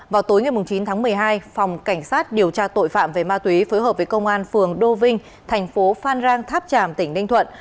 vào tối ngày chín tháng một mươi hai phòng cảnh sát điều tra tội phạm về ma túy phối hợp với công an phường đô vinh thành phố phan rang tháp tràm tỉnh ninh thuận